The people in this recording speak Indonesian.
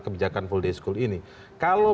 kebijakan puldei school ini kalau